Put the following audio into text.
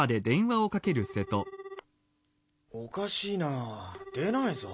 おかしいな出ないぞ。